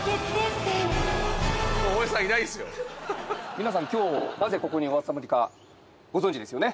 皆さん今日なぜここにお集まりかご存じですよね？